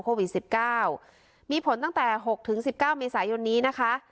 โควิดสิบเก้ามีผลตั้งแต่หกถึงสิบเก้าเมษายนินะคะ